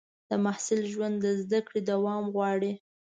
د محصل ژوند د زده کړې دوام غواړي.